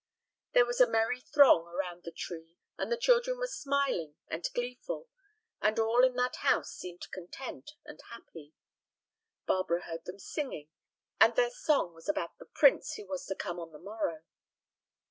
There was a merry throng around the tree, and the children were smiling and gleeful, and all in that house seemed content and happy. Barbara heard them singing, and their song was about the prince who was to come on the morrow.